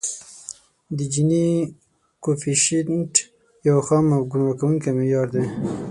د جیني کویفیشینټ یو خام او ګمراه کوونکی معیار دی